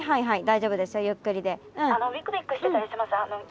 大丈夫ですよゆっくりでうん。